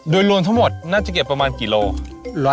โดยรวมทั้งหมดน่าจะเก็บประมาณกิโลกรัม